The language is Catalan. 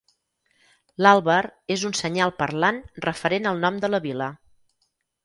L'àlber és un senyal parlant referent al nom de la vila.